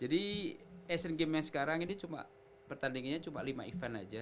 jadi asian games yang sekarang ini cuma pertandingannya cuma lima event aja